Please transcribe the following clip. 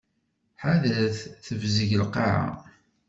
Ḥadret! Tebzeg lqaεa.